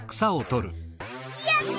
やった！